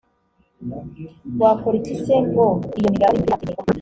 wakora iki se ngo iyo migabane yindi ibe yakemererwa